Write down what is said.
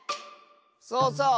そうそう。